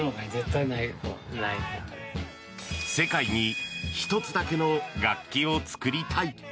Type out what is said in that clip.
世界に１つだけの楽器を作りたい。